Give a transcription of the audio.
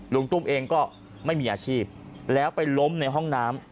ลุงตุ้มเองก็ไม่มีอาชีพแล้วไปล้มในห้องน้ำ